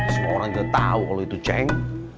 semua orang udah tau kalo itu ceng